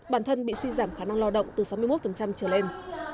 bản thân bị suy giảm khả năng lao động từ sáu mươi một trở lên